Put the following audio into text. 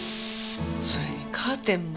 それにカーテンも。